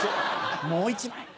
もう一枚！